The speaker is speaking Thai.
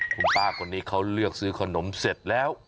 คุณป้าคนนี้เขาเลือกซื้อขนมเสร็จแล้ว